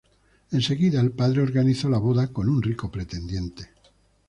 Enseguida el padre organizó la boda con un rico pretendiente.